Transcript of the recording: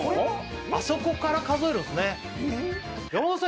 あそこから数えるんですね山田さん